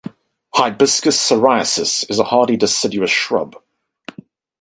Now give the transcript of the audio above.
"Hibiscus syriacus" is a hardy deciduous shrub.